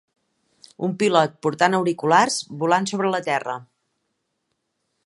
Un pilot portant auriculars volant sobre la terra